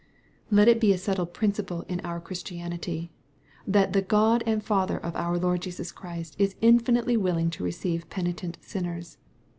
Let it be a settled principle in our Christianity, that the God and Father of our Lord Jesus Christ is infinitely willing to receive penitent sinners.